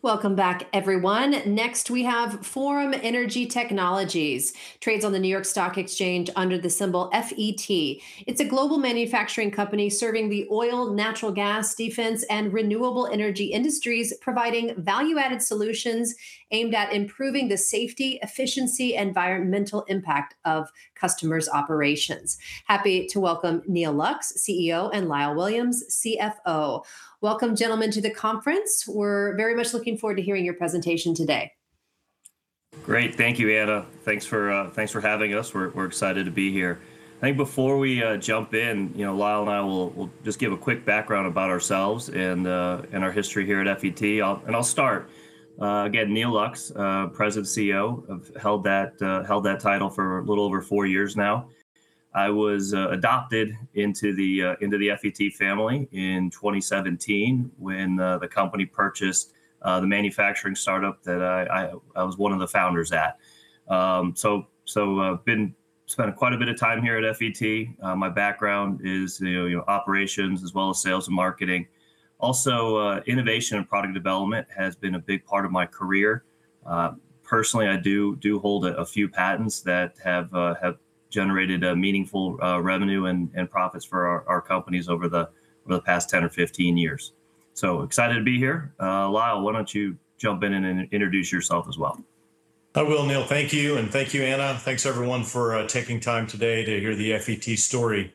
Welcome back, everyone. Next, we have Forum Energy Technologies. Trades on the New York Stock Exchange under the symbol FET. It's a global manufacturing company serving the oil, natural gas, defense, and renewable energy industries, providing value-added solutions aimed at improving the safety, efficiency, environmental impact of customers' operations. Happy to welcome Neal Lux, CEO, and Lyle Williams, CFO. Welcome, gentlemen, to the conference. We're very much looking forward to hearing your presentation today. Great. Thank you, Ana. Thanks for having us. We're excited to be here. I think before we jump in, you know, Lyle and I will just give a quick background about ourselves and our history here at FET. I'll start. Again, Neal Lux, President and CEO. I've held that title for a little over four years now. I was adopted into the FET family in 2017 when the company purchased the manufacturing startup that I was one of the founders at. So I've spent quite a bit of time here at FET. My background is, you know, operations as well as sales and marketing. Also, innovation and product development has been a big part of my career. Personally, I do hold a few patents that have generated a meaningful revenue and profits for our companies over the past 10 or 15 years. Excited to be here. Lyle, why don't you jump in and introduce yourself as well? I will, Neal. Thank you, and thank you, Ana. Thanks, everyone, for taking time today to hear the FET story.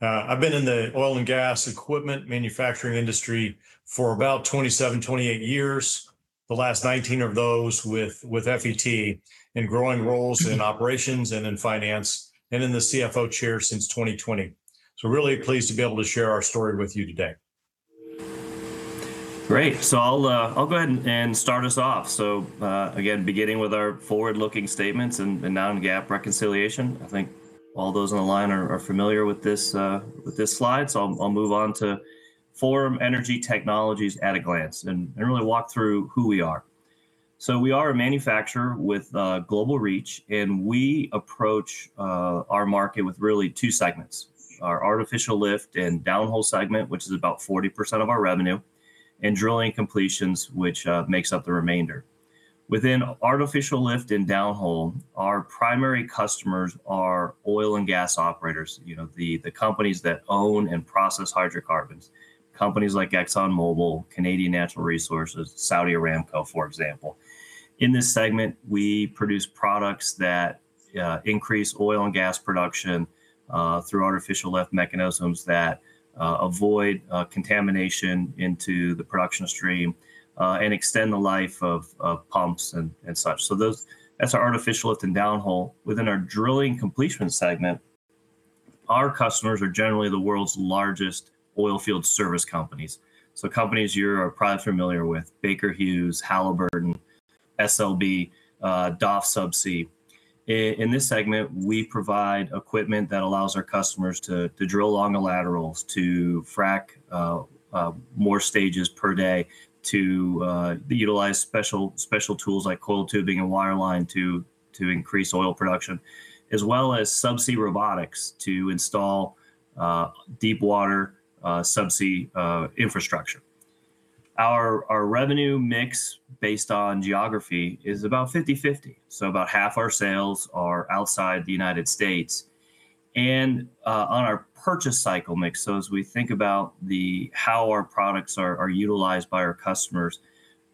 I've been in the oil and gas equipment manufacturing industry for about 27, 28 years, the last 19 of those with FET, in growing roles in operations and in finance, and in the CFO chair since 2020. Really pleased to be able to share our story with you today. Great. I'll go ahead and start us off. Again, beginning with our forward-looking statements and non-GAAP reconciliation. I think all those on the line are familiar with this slide, so I'll move on to Forum Energy Technologies at a glance and really walk through who we are. We are a manufacturer with a global reach, and we approach our market with really two segments, our Artificial Lift and Downhole segment, which is about 40% of our revenue, and Drilling and Completions, which makes up the remainder. Within Artificial Lift and Downhole, our primary customers are oil and gas operators, you know, the companies that own and process hydrocarbons, companies like ExxonMobil, Canadian Natural Resources, Saudi Aramco, for example. In this segment, we produce products that increase oil and gas production through Artificial Lift mechanisms that avoid contamination into the production stream and extend the life of pumps and such. That's our Artificial Lift and Downhole. Within our Drilling and Completions segment, our customers are generally the world's largest oil field service companies, so companies you're probably familiar with, Baker Hughes, Halliburton, SLB, DOF Subsea. In this segment, we provide equipment that allows our customers to drill longer laterals, to frack more stages per day, to utilize special tools like coiled tubing and wireline to increase oil production, as well as subsea robotics to install deepwater subsea infrastructure. Our revenue mix based on geography is about 50/50, so about half our sales are outside the United States. On our purchase cycle mix, as we think about how our products are utilized by our customers,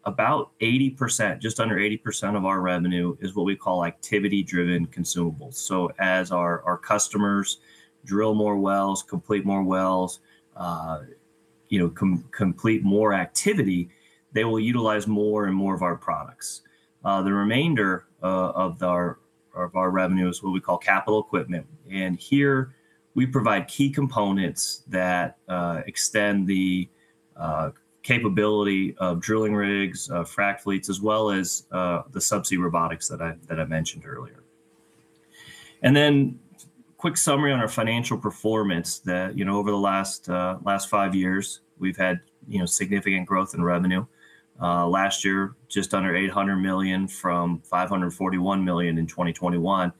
about 80%, just under 80% of our revenue is what we call activity-driven consumables. As our customers drill more wells, complete more wells, you know, complete more activity, they will utilize more and more of our products. The remainder of our revenue is what we call capital equipment, and here we provide key components that extend the capability of drilling rigs, of frac fleets, as well as the subsea robotics that I mentioned earlier. Then quick summary on our financial performance, you know, over the last five years, we've had, you know, significant growth in revenue. Last year, just under $800 million from $541 million in 2021.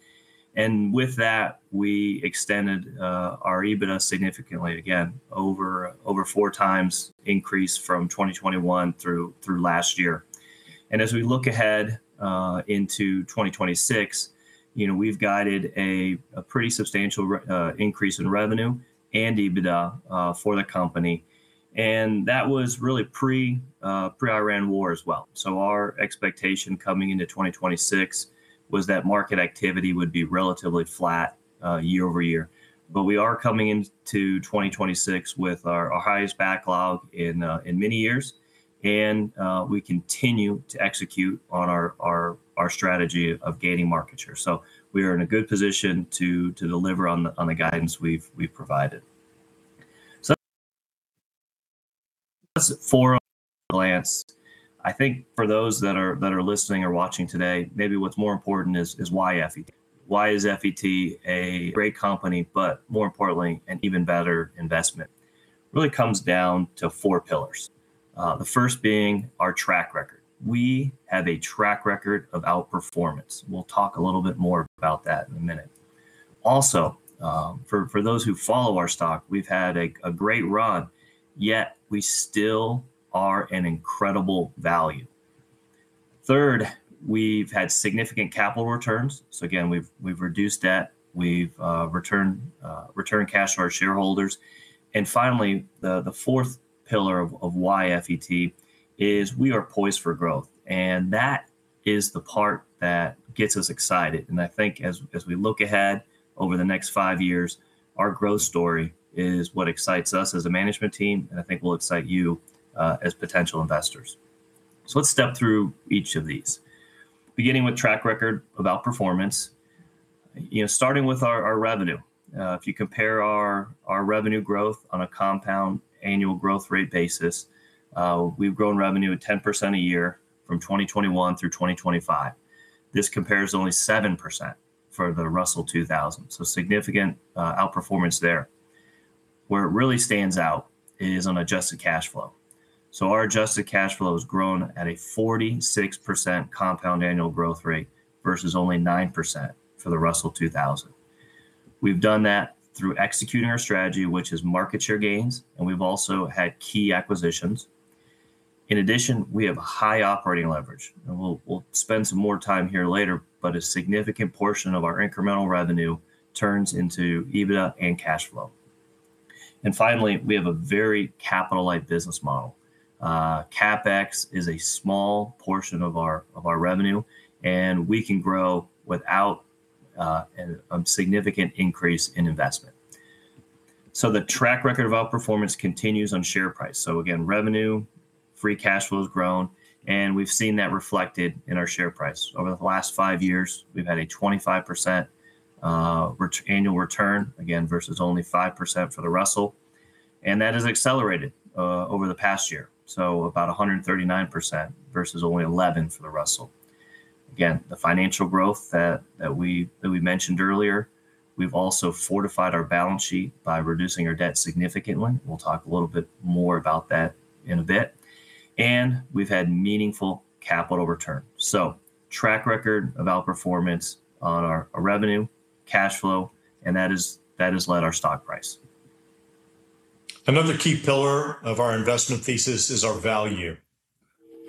With that, we extended our EBITDA significantly, again, over four times increase from 2021 through last year. As we look ahead into 2026, you know, we've guided a pretty substantial increase in revenue and EBITDA for the company, and that was really pre-Iran war as well. Our expectation coming into 2026 was that market activity would be relatively flat year-over-year. We are coming into 2026 with our highest backlog in many years, and we continue to execute on our strategy of gaining market share. We are in a good position to deliver on the guidance we've provided. That's Forum at a glance. I think for those that are listening or watching today, maybe what's more important is why FET? Why is FET a great company, but more importantly, an even better investment? Really comes down to four pillars, the first being our track record. We have a track record of outperformance. We'll talk a little bit more about that in a minute. Also, for those who follow our stock, we've had a great run, yet we still are an incredible value. Third, we've had significant capital returns. Again, we've reduced debt, we've returned cash to our shareholders. Finally, the fourth pillar of why FET is we are poised for growth, and that is the part that gets us excited. I think as we look ahead over the next five years, our growth story is what excites us as a management team, and I think will excite you as potential investors. Let's step through each of these. Beginning with track record of outperformance. You know, starting with our revenue. If you compare our revenue growth on a compound annual growth rate basis, we've grown revenue at 10% a year from 2021 through 2025. This compares only 7% for the Russell 2000, so significant outperformance there. Where it really stands out is on adjusted cash flow. Our adjusted cash flow has grown at a 46% compound annual growth rate versus only 9% for the Russell 2000. We've done that through executing our strategy, which is market share gains, and we've also had key acquisitions. In addition, we have a high operating leverage, and we'll spend some more time here later, but a significant portion of our incremental revenue turns into EBITDA and cash flow. Finally, we have a very capital-light business model. CapEx is a small portion of our revenue, and we can grow without a significant increase in investment. The track record of outperformance continues on share price. Again, revenue, free cash flow has grown, and we've seen that reflected in our share price. Over the last five years, we've had a 25% annual return, again, versus only 5% for the Russell, and that has accelerated over the past year, so about 139% versus only 11% for the Russell. Again, the financial growth that we mentioned earlier, we've also fortified our balance sheet by reducing our debt significantly. We'll talk a little bit more about that in a bit. We've had meaningful capital return. Track record of outperformance on our revenue, cash flow, and that has led our stock price. Another key pillar of our investment thesis is our value.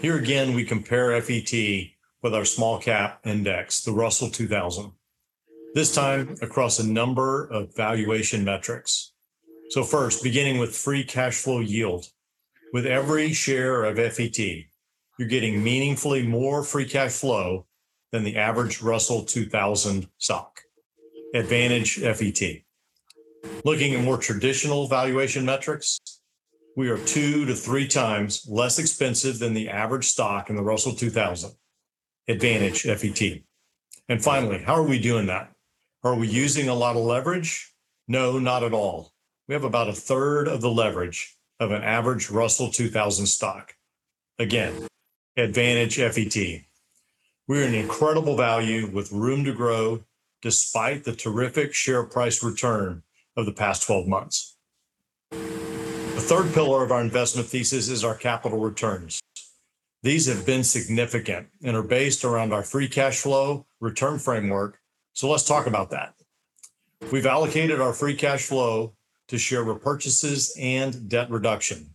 Here again, we compare FET with our small cap index, the Russell 2000, this time across a number of valuation metrics. First, beginning with free cash flow yield. With every share of FET, you're getting meaningfully more free cash flow than the average Russell 2000 stock. Advantage FET. Looking at more traditional valuation metrics, we are two to three times less expensive than the average stock in the Russell 2000. Advantage FET. Finally, how are we doing that? Are we using a lot of leverage? No, not at all. We have about a third of the leverage of an average Russell 2000 stock. Again, advantage FET. We're an incredible value with room to grow despite the terrific share price return of the past 12 months. The third pillar of our investment thesis is our capital returns. These have been significant and are based around our free cash flow return framework. Let's talk about that. We've allocated our free cash flow to share repurchases and debt reduction.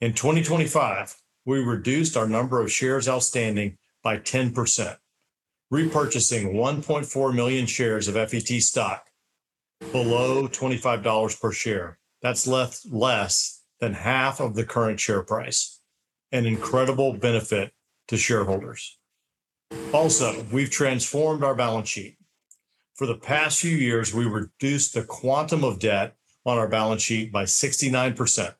In 2025, we reduced our number of shares outstanding by 10%, repurchasing 1.4 million shares of FET stock below $25 per share. That's less than half of the current share price, an incredible benefit to shareholders. Also, we've transformed our balance sheet. For the past few years, we reduced the quantum of debt on our balance sheet by 69%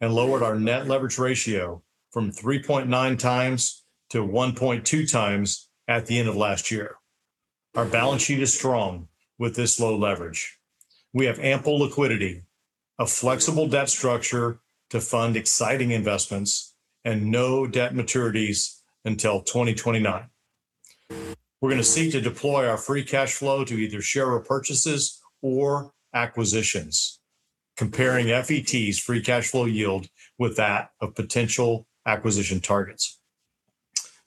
and lowered our net leverage ratio from 3.9x to 1.2x at the end of last year. Our balance sheet is strong with this low leverage. We have ample liquidity, a flexible debt structure to fund exciting investments, and no debt maturities until 2029. We're gonna seek to deploy our free cash flow to either share repurchases or acquisitions, comparing FET's free cash flow yield with that of potential acquisition targets.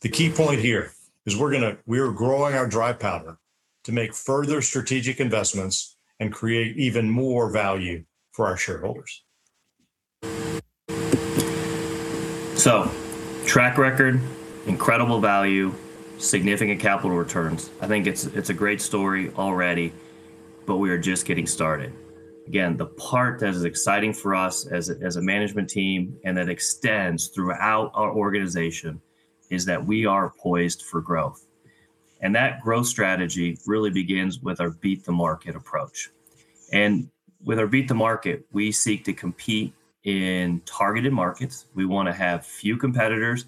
The key point here is we are growing our dry powder to make further strategic investments and create even more value for our shareholders. Track record, incredible value, significant capital returns. I think it's a great story already, but we are just getting started. Again, the part that is exciting for us as a management team and that extends throughout our organization is that we are poised for growth, and that growth strategy really begins with our beat the market approach. With our beat the market, we seek to compete in targeted markets. We wanna have few competitors,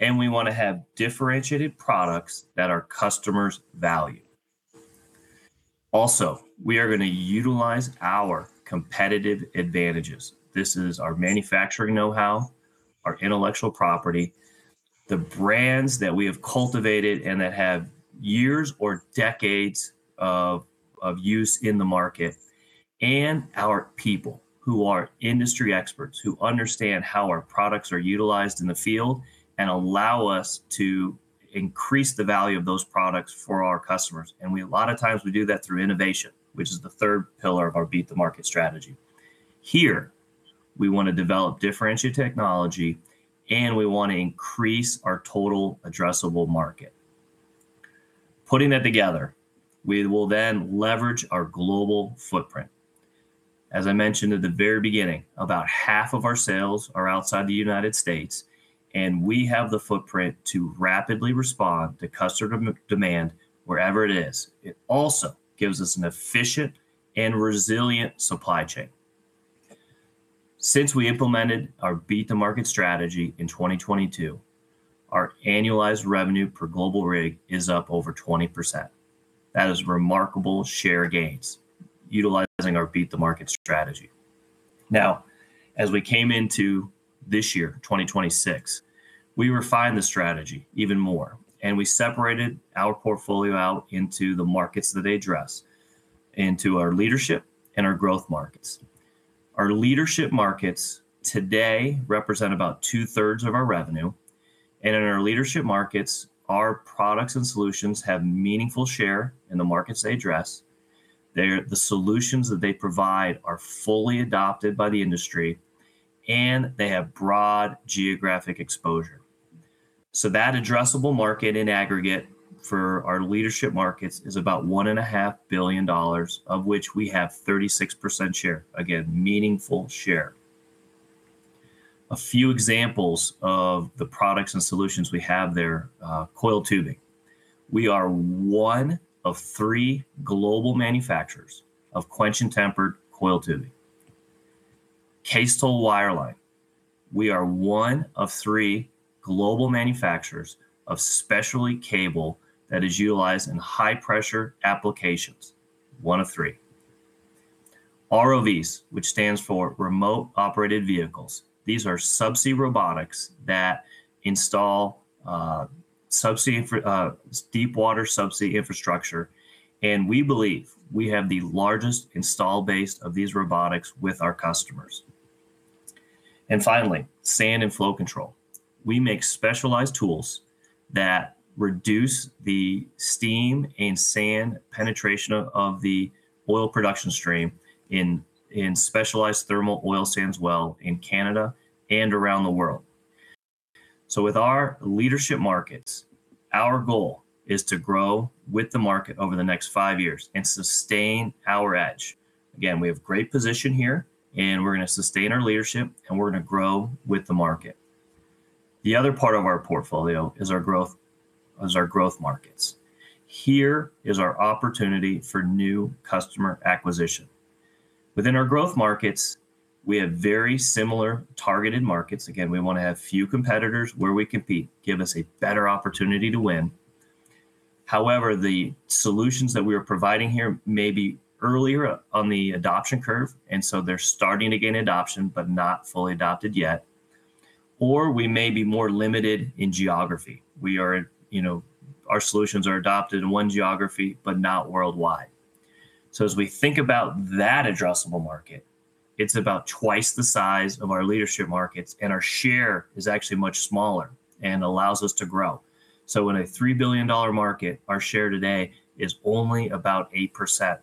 and we wanna have differentiated products that our customers value. Also, we are gonna utilize our competitive advantages. This is our manufacturing know-how, our intellectual property, the brands that we have cultivated and that have years or decades of use in the market. Our people who are industry experts, who understand how our products are utilized in the field and allow us to increase the value of those products for our customers. A lot of times we do that through innovation, which is the third pillar of our beat the market strategy. Here, we want to develop differentiated technology, and we want to increase our total addressable market. Putting that together, we will then leverage our global footprint. As I mentioned at the very beginning, about half of our sales are outside the United States, and we have the footprint to rapidly respond to customer demand wherever it is. It also gives us an efficient and resilient supply chain. Since we implemented our beat the market strategy in 2022, our annualized revenue per global rig is up over 20%. That is remarkable share gains utilizing our beat the market strategy. Now, as we came into this year, 2026, we refined the strategy even more, and we separated our portfolio out into the markets that they address, into our leadership and our growth markets. Our leadership markets today represent about 2/3 of our revenue. In our leadership markets, our products and solutions have meaningful share in the markets they address. They're the solutions that they provide are fully adopted by the industry, and they have broad geographic exposure. That addressable market in aggregate for our leadership markets is about $1.5 billion, of which we have 36% share. Again, meaningful share. A few examples of the products and solutions we have there, coiled tubing. We are one of three global manufacturers of quench-and-tempered coiled tubing. Cased hole wireline. We are one of three global manufacturers of specialty cable that is utilized in high-pressure applications. One of three. ROVs, which stands for Remotely Operated Vehicles. These are subsea robotics that install deepwater subsea infrastructure, and we believe we have the largest install base of these robotics with our customers. Finally, Sand and Flow Control. We make specialized tools that reduce the steam and sand penetration of the oil production stream in specialized thermal oil sands well in Canada and around the world. With our leadership markets, our goal is to grow with the market over the next five years and sustain our edge. Again, we have great position here, and we're gonna sustain our leadership, and we're gonna grow with the market. The other part of our portfolio is our growth markets. Here is our opportunity for new customer acquisition. Within our growth markets, we have very similar targeted markets. Again, we wanna have few competitors where we compete, give us a better opportunity to win. However, the solutions that we are providing here may be earlier on the adoption curve, and so they're starting to gain adoption, but not fully adopted yet. Or we may be more limited in geography. We are in, you know. Our solutions are adopted in one geography, but not worldwide. So as we think about that addressable market, it's about twice the size of our leadership markets, and our share is actually much smaller and allows us to grow. In a $3 billion market, our share today is only about 8%.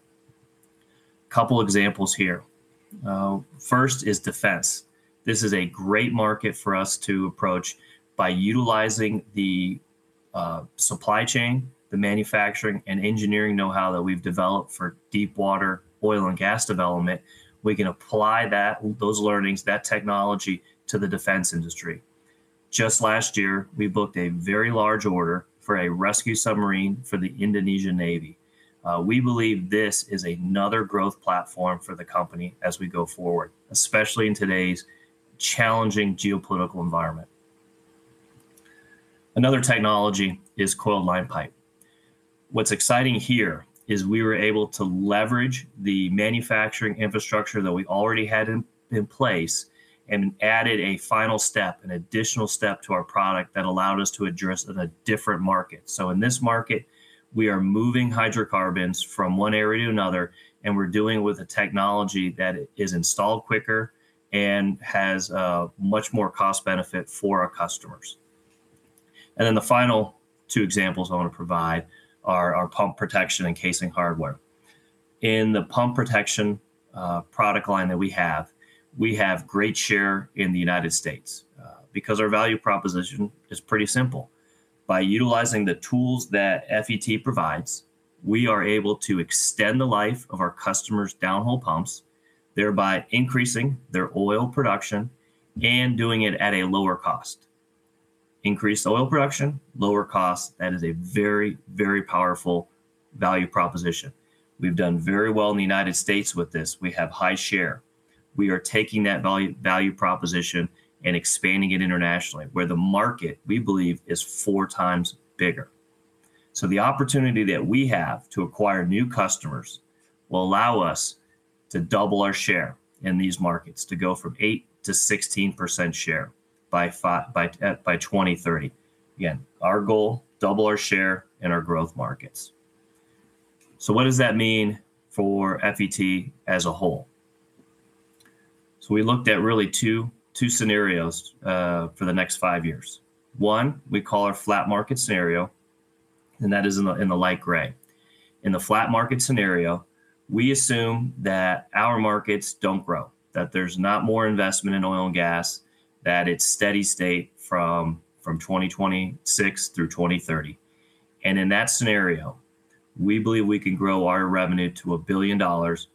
Couple examples here. First is Defense. This is a great market for us to approach by utilizing the supply chain, the manufacturing and engineering know-how that we've developed for deepwater oil and gas development. We can apply that, those learnings, that technology to the defense industry. Just last year, we booked a very large order for a rescue submarine for the Indonesian Navy. We believe this is another growth platform for the company as we go forward, especially in today's challenging geopolitical environment. Another technology is Coiled Line Pipe. What's exciting here is we were able to leverage the manufacturing infrastructure that we already had in place and added a final step, an additional step to our product that allowed us to address a different market. In this market, we are moving hydrocarbons from one area to another, and we're doing it with a technology that is installed quicker and has a much more cost benefit for our customers. The final two examples I want to provide are our Pump Protection and Casing Hardware. In the Pump Protection product line that we have, we have great share in the United States because our value proposition is pretty simple. By utilizing the tools that FET provides, we are able to extend the life of our customers' downhole pumps, thereby increasing their oil production and doing it at a lower cost. Increased oil production, lower cost, that is a very, very powerful value proposition. We've done very well in the United States with this. We have high share. We are taking that value proposition and expanding it internationally, where the market, we believe, is four times bigger. The opportunity that we have to acquire new customers will allow us to double our share in these markets, to go from 8%-16% share by 2030. Again, our goal, double our share in our growth markets. What does that mean for FET as a whole? We looked at really two scenarios for the next five years. One we call our flat market scenario, and that is in the light gray. In the flat market scenario, we assume that our markets don't grow, that there's not more investment in oil and gas, that it's steady state from 2026 through 2030. In that scenario, we believe we can grow our revenue to $1 billion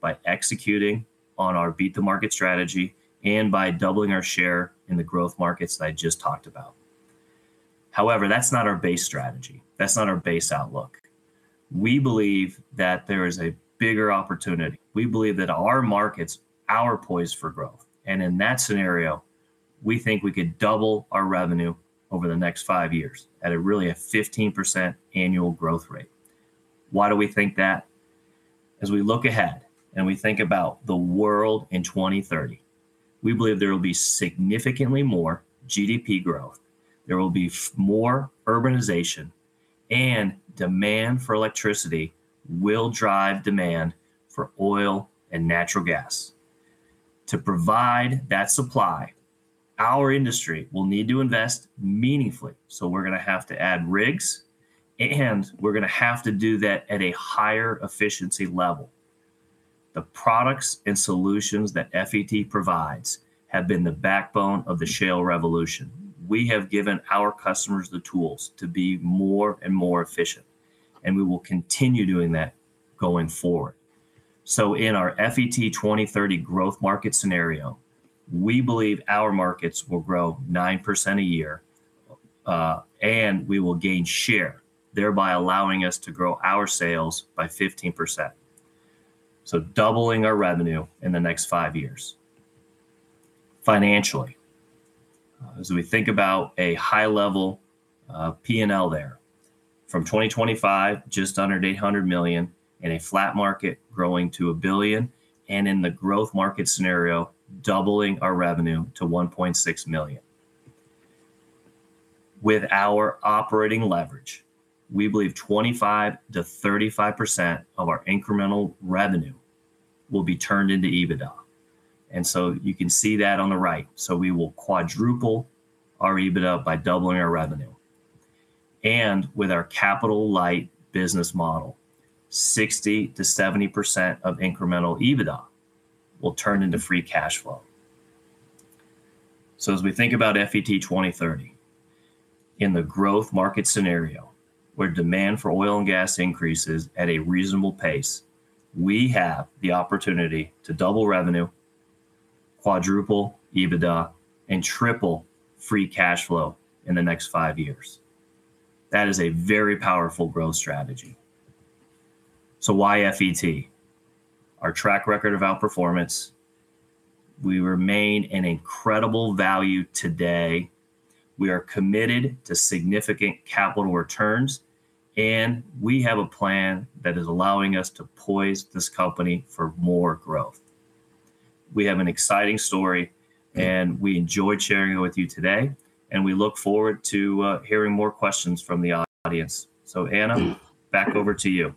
by executing on our beat the market strategy and by doubling our share in the growth markets that I just talked about. However, that's not our base strategy. That's not our base outlook. We believe that there is a bigger opportunity. We believe that our markets are poised for growth. In that scenario, we think we could double our revenue over the next five years at a real 15% annual growth rate. Why do we think that? As we look ahead, and we think about the world in 2030, we believe there will be significantly more GDP growth. There will be more urbanization, and demand for electricity will drive demand for oil and natural gas. To provide that supply, our industry will need to invest meaningfully. We're gonna have to add rigs, and we're gonna have to do that at a higher efficiency level. The products and solutions that FET provides have been the backbone of the shale revolution. We have given our customers the tools to be more and more efficient, and we will continue doing that going forward. In our FET 2030 growth market scenario, we believe our markets will grow 9% a year, and we will gain share, thereby allowing us to grow our sales by 15%, so doubling our revenue in the next five years. Financially, as we think about a high level, P&L there, from 2025 just under $800 million in a flat market growing to $1 billion, and in the growth market scenario, doubling our revenue to $1.6 billion. With our operating leverage, we believe 25%-35% of our incremental revenue will be turned into EBITDA. You can see that on the right. We will quadruple our EBITDA by doubling our revenue. With our capital-light business model, 60%-70% of incremental EBITDA will turn into free cash flow. As we think about FET 2030, in the growth market scenario, where demand for oil and gas increases at a reasonable pace, we have the opportunity to double revenue, quadruple EBITDA, and triple free cash flow in the next five years. That is a very powerful growth strategy. Why FET? Our track record of outperformance, we remain an incredible value today, we are committed to significant capital returns, and we have a plan that is allowing us to poise this company for more growth. We have an exciting story, and we enjoyed sharing it with you today, and we look forward to hearing more questions from the audience. Ana, back over to you.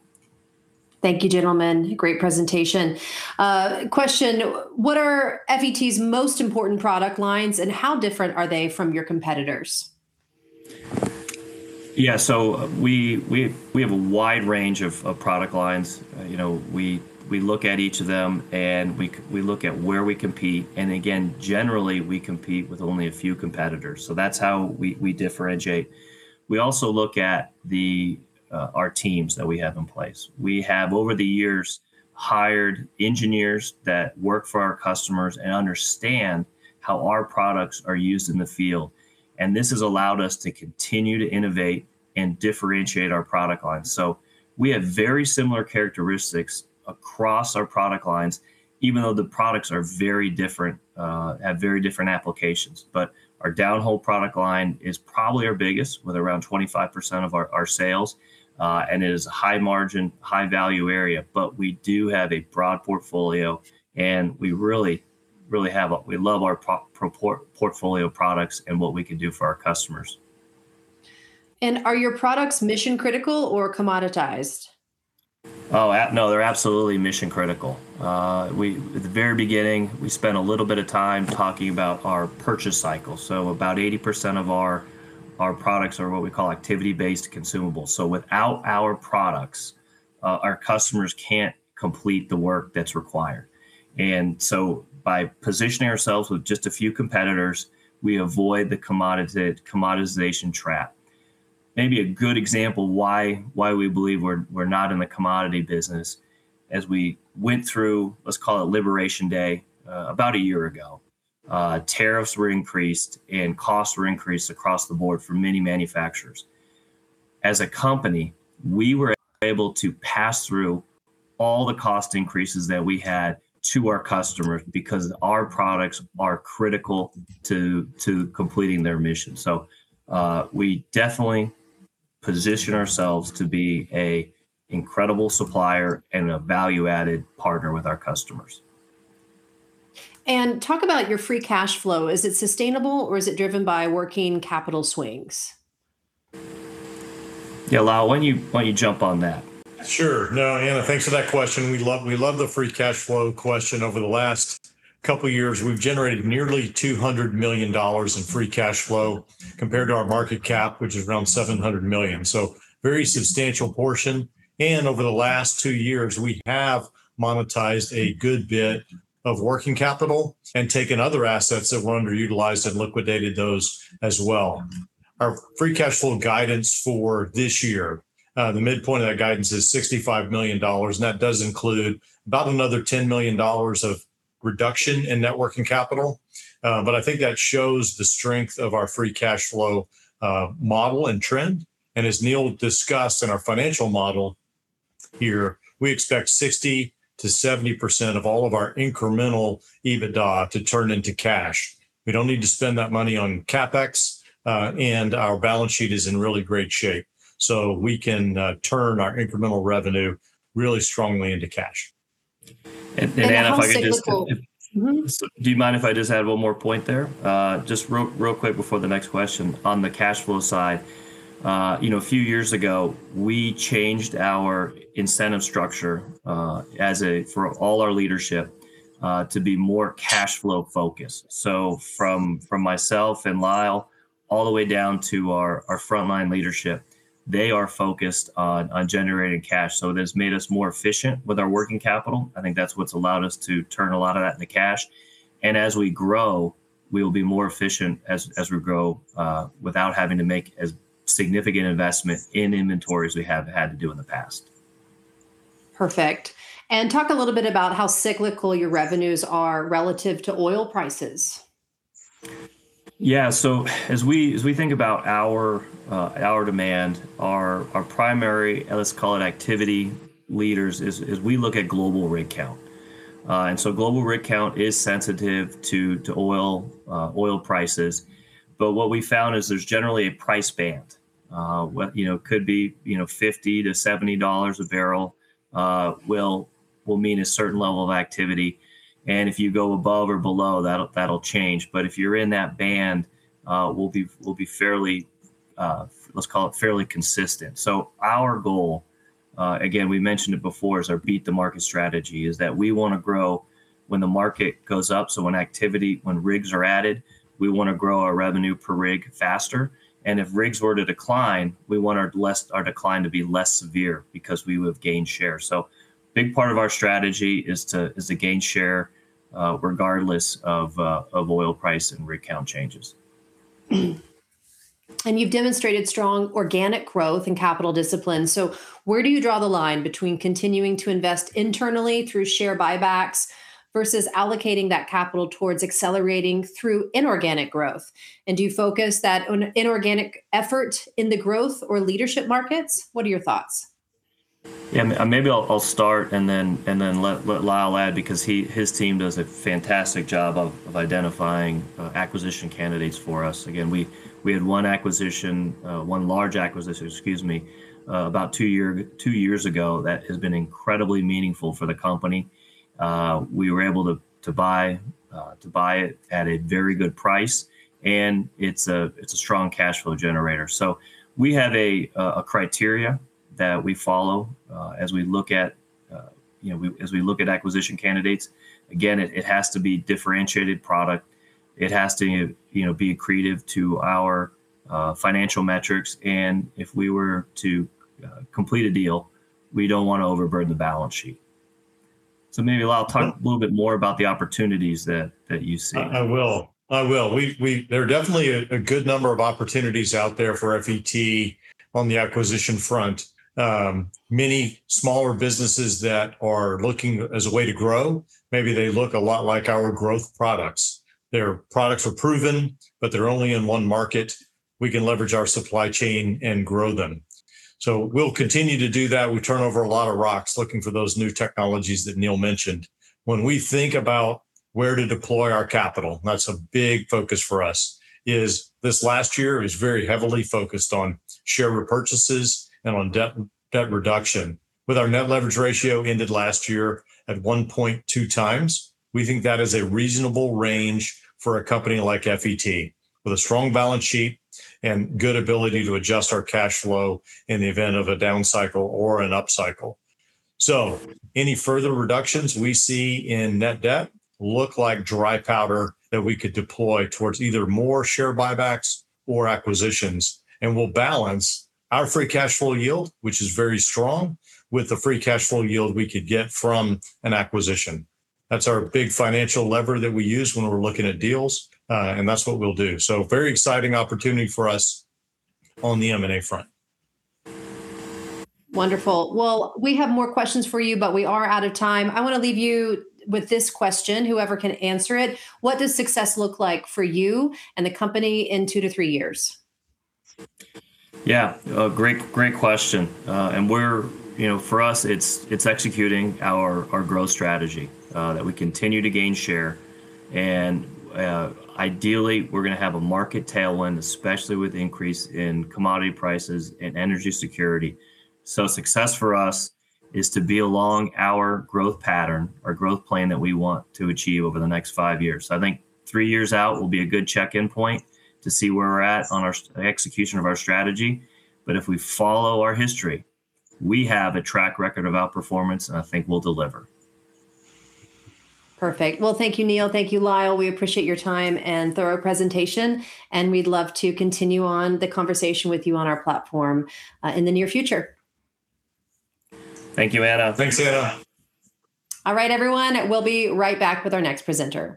Thank you, gentlemen. Great presentation. Question, what are FET's most important product lines, and how different are they from your competitors? Yeah. We have a wide range of product lines. You know, we look at each of them, and we look at where we compete. Again, generally, we compete with only a few competitors, so that's how we differentiate. We also look at our teams that we have in place. We have, over the years, hired engineers that work for our customers and understand how our products are used in the field, and this has allowed us to continue to innovate and differentiate our product lines. We have very similar characteristics across our product lines, even though the products are very different, have very different applications. Our downhole product line is probably our biggest, with around 25% of our sales, and it is a high margin, high value area. We do have a broad portfolio, and we really love our portfolio products and what we can do for our customers. Are your products mission critical or commoditized? They're absolutely mission critical. At the very beginning, we spent a little bit of time talking about our purchase cycle. About 80% of our products are what we call activity-based consumables. Without our products, our customers can't complete the work that's required. By positioning ourselves with just a few competitors, we avoid the commodity-commoditization trap. Maybe a good example why we believe we're not in the commodity business, as we went through, let's call it Liberation Day, about a year ago, tariffs were increased, and costs were increased across the board for many manufacturers. As a company, we were able to pass through all the cost increases that we had to our customers because our products are critical to completing their mission. We definitely position ourselves to be an incredible supplier and a value-added partner with our customers. Talk about your free cash flow. Is it sustainable or is it driven by working capital swings? Yeah, Lyle, why don't you jump on that? Sure. No, Ana, thanks for that question. We love the free cash flow question. Over the last couple years, we've generated nearly $200 million in free cash flow compared to our market cap, which is around $700 million, so very substantial portion. Over the last two years, we have monetized a good bit of working capital and taken other assets that were underutilized and liquidated those as well. Our free cash flow guidance for this year, the midpoint of that guidance is $65 million, and that does include about another $10 million of reduction in net working capital. But I think that shows the strength of our free cash flow model and trend. As Neal discussed in our financial model here, we expect 60%-70% of all of our incremental EBITDA to turn into cash. We don't need to spend that money on CapEx, and our balance sheet is in really great shape. We can turn our incremental revenue really strongly into cash. Anna, if I could just- Mm-hmm. Do you mind if I just add one more point there? Just real quick before the next question on the cash flow side. You know, a few years ago, we changed our incentive structure for all our leadership to be more cash flow focused. So from myself and Lyle all the way down to our frontline leadership, they are focused on generating cash, so that's made us more efficient with our working capital. I think that's what's allowed us to turn a lot of that into cash. As we grow, we'll be more efficient as we grow without having to make as significant investment in inventory as we have had to do in the past. Perfect. Talk a little bit about how cyclical your revenues are relative to oil prices? Yeah. As we think about our demand, our primary activity leaders, let's call it, is we look at global rig count. Global rig count is sensitive to oil prices, but what we've found is there's generally a price band. What, you know, could be, you know, $50-$70 a barrel will mean a certain level of activity, and if you go above or below, that'll change. If you're in that band, we'll be fairly, let's call it, fairly consistent. Our goal, again, we mentioned it before as our beat the market strategy, is that we wanna grow when the market goes up. When rigs are added, we wanna grow our revenue per rig faster, and if rigs were to decline, we want our decline to be less severe because we would gain share. Big part of our strategy is to gain share regardless of oil price and rig count changes. You've demonstrated strong organic growth and capital discipline. Where do you draw the line between continuing to invest internally through share buybacks versus allocating that capital towards accelerating through inorganic growth? Do you focus that inorganic effort in the growth or leadership markets? What are your thoughts? Yeah. Maybe I'll start and then let Lyle add because his team does a fantastic job of identifying acquisition candidates for us. Again, we had one large acquisition, excuse me, about two years ago that has been incredibly meaningful for the company. We were able to buy it at a very good price, and it's a strong cashflow generator. We have a criteria that we follow as we look at, you know, as we look at acquisition candidates. Again, it has to be differentiated product. It has to, you know, be accretive to our financial metrics. If we were to complete a deal, we don't wanna overburden the balance sheet. Maybe Lyle, talk a little bit more about the opportunities that you see. I will. We. There are definitely a good number of opportunities out there for FET on the acquisition front. Many smaller businesses that are looking for a way to grow, maybe they look a lot like our growth products. Their products are proven, but they're only in one market. We can leverage our supply chain and grow them. We'll continue to do that. We turn over a lot of rocks looking for those new technologies that Neal mentioned. When we think about where to deploy our capital, and that's a big focus for us. This last year was very heavily focused on share repurchases and on debt reduction. With our net leverage ratio ended last year at 1.2x, we think that is a reasonable range for a company like FET, with a strong balance sheet and good ability to adjust our cash flow in the event of a down cycle or an up cycle. Any further reductions we see in net debt look like dry powder that we could deploy towards either more share buybacks or acquisitions. We'll balance our free cash flow yield, which is very strong, with the free cash flow yield we could get from an acquisition. That's our big financial lever that we use when we're looking at deals, and that's what we'll do. Very exciting opportunity for us on the M&A front. Wonderful. Well, we have more questions for you, but we are out of time. I wanna leave you with this question, whoever can answer it. What does success look like for you and the company in two to three years? Yeah. A great question. We're, you know, for us it's executing our growth strategy that we continue to gain share. Ideally, we're gonna have a market tailwind, especially with the increase in commodity prices and energy security. Success for us is to be along our growth pattern, our growth plan that we want to achieve over the next five years. I think three years out will be a good check-in point to see where we're at on our execution of our strategy. If we follow our history, we have a track record of outperformance, and I think we'll deliver. Perfect. Well, thank you, Neal. Thank you, Lyle. We appreciate your time and thorough presentation, and we'd love to continue on the conversation with you on our platform, in the near future. Thank you, Ana. Thanks, Ana. All right, everyone, we'll be right back with our next presenter.